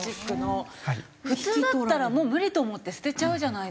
普通だったらもう無理と思って捨てちゃうじゃないですか。